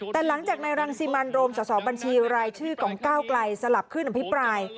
แต่หลังจากในรังสิมันโรมสอบบัญชีรายชื่อของก้าวไกลสลับขึ้นอภิปราย